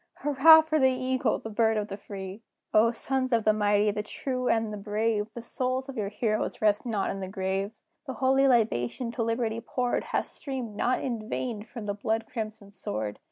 Hurrah for the Eagle, the Bird of the Free! O, sons of the mighty, the true, and the brave! The souls of your heroes rest not in the grave: The holy libation to Liberty poured, Hath streamed, not in vain, from the blood crimsoned sword.